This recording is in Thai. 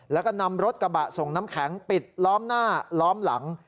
แล้วก็นำรถกระบะส่งน้ำแข็งปิดล้อมหน้าล้อมหลัง